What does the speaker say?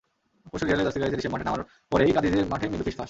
পরশু রিয়ালের জার্সি গায়ে চেরিশেভ মাঠে নামার পরেই কাদিজের মাঠে মৃদু ফিসফাস।